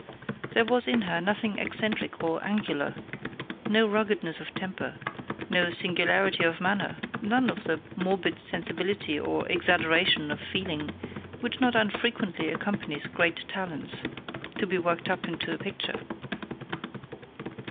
There was in her nothing eccentric or angular; no ruggedness of temper; no singularity of manner; none of the morbid sensibility or exaggeration of feeling, which not unfrequently accompanies great talents, to be worked up into a picture.